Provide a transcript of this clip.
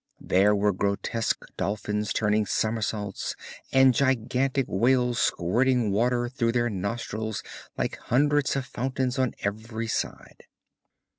There were grotesque dolphins turning somersaults, and gigantic whales squirting water through their nostrils like hundreds of fountains on every side.